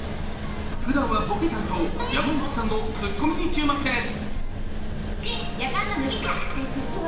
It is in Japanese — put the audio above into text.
ふだんはボケ担当・山内さんのツッコミに注目です。